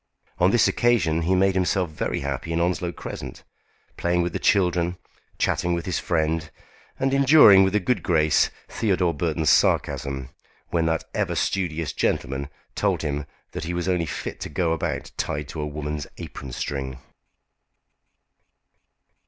On this occasion he made himself very happy in Onslow Crescent, playing with the children, chatting with his friend, and enduring, with a good grace, Theodore Burton's sarcasm, when that ever studious gentleman told him that he was only fit to go about tied to a woman's apron string.